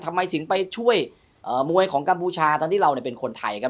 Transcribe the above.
ทำไมถึงไปช่วยเอ่อมวยของกัมพูชาตอนที่เราเนี่ยเป็นคนไทยครับ